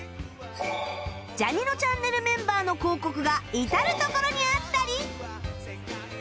ジャにのちゃんねるメンバーの広告が至る所にあったり